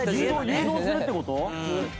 誘導するって事？